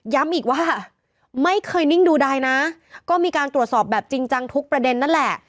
อีกว่าไม่เคยนิ่งดูใดนะก็มีการตรวจสอบแบบจริงจังทุกประเด็นนั่นแหละ